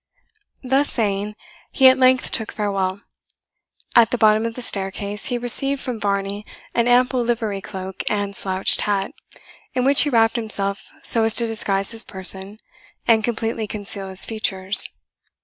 Thus saying, he at length took farewell. At the bottom of the staircase he received from Varney an ample livery cloak and slouched hat, in which he wrapped himself so as to disguise his person and completely conceal his features.